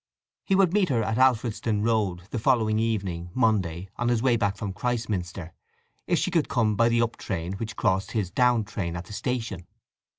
He would meet her at Alfredston Road, the following evening, Monday, on his way back from Christminster, if she could come by the up train which crossed his down train at that station.